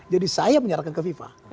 jadi saya menyerahkan ke fifa